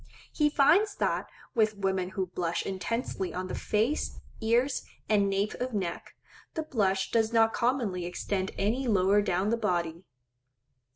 He finds that with women who blush intensely on the face, ears, and nape of neck, the blush does not commonly extend any lower down the body.